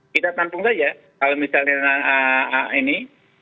kita tampung saja kalau misalnya ini